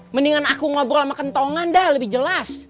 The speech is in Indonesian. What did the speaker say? mendingan aku ngobrol sama kentongan dah lebih jelas